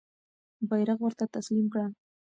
بیرغ ورته تسلیم کړه.